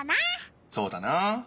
そうだな。